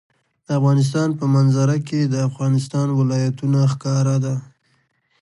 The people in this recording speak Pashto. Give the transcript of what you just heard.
د افغانستان په منظره کې د افغانستان ولايتونه ښکاره ده.